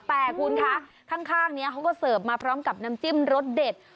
แต่คุณคะข้างนี้เขาก็เสิร์ฟมาพร้อมกับน้ำจิ้มรสเด็ด